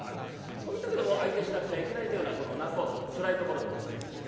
そういう時でも相手しなくちゃいけないというのがこの仲人のつらいところでございまして。